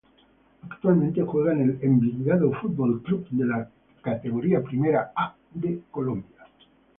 Actualmente juega en el Envigado Fútbol Club de la Categoría Primera A de Colombia.